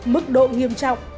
mức độ nghiêm trọng